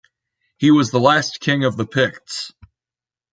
He was the last king of the Picts.